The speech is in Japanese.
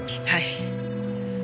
はい。